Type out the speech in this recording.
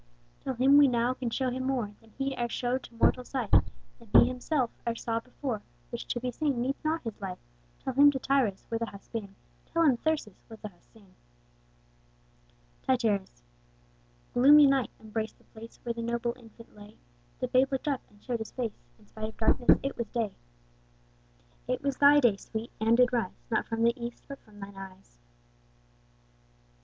Tell him we now can show him more Than he e'er show'd to mortal sight, Than he himself e'er saw before, Which to be seen needs not his light: Tell him Tityrus where th' hast been, Tell him Thyrsis what th' hast seen. Tityrus. Gloomy night embrac'd the place Where the noble infant lay: The babe looked up, and show'd his face, In spite of darkness it was day. It was thy day, Sweet, and did rise, Not from the east, but from thy eyes.